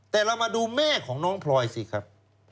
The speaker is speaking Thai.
แต่เรามาดูแม่ของน้องพลอยสิครับ